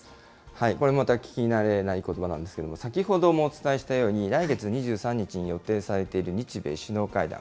これまた聞き慣れないことばなんですけれども、先ほどもお伝えしたように、来月２３日に予定されている日米首脳会談。